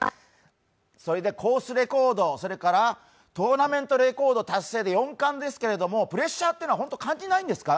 コースレコード、それからトーナメントレコード達成で４冠ですけれどもプレッシャーはいつも本当に感じないんですか？